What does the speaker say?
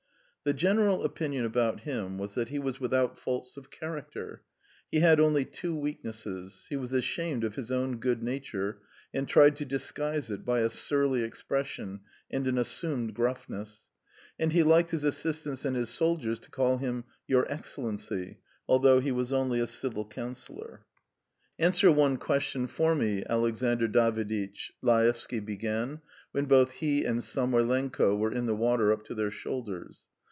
The general opinion about him was that he was without faults of character. He had only two weaknesses: he was ashamed of his own good nature, and tried to disguise it by a surly expression and an assumed gruffness; and he liked his assistants and his soldiers to call him "Your Excellency," although he was only a civil councillor. "Answer one question for me, Alexandr Daviditch," Laevsky began, when both he and Samoylenko were in the water up to their shoulders.